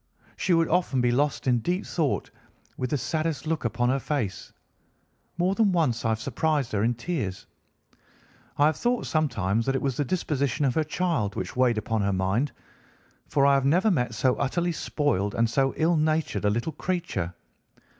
She would often be lost in deep thought, with the saddest look upon her face. More than once I have surprised her in tears. I have thought sometimes that it was the disposition of her child which weighed upon her mind, for I have never met so utterly spoiled and so ill natured a little creature.